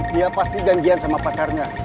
dia pasti janjian sama pacarnya